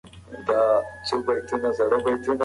د ليکوال او ټولني ترمنځ توپير بايد له منځه ولاړ سي.